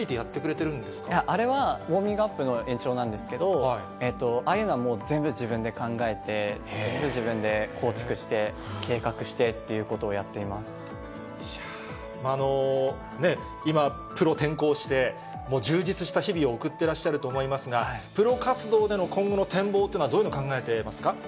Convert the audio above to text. いや、あれはウォーミングアップの延長なんですけど、ああいうのは全部自分で考えて、全部自分で構築して計画してって今、プロ転向して、充実した日々を送ってらっしゃると思いますが、プロ活動での今後の展望っていうのは、どういうのを考えていますか？